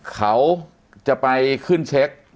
เขาจะไปขึ้นเช็ค